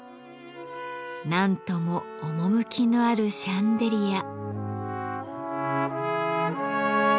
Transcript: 何とも趣のあるシャンデリア。